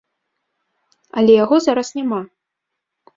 Але яго зараз няма.